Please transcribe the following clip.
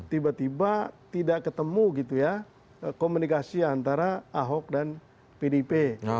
tiba tiba tidak ketemu komunikasi antara ahok dan pdp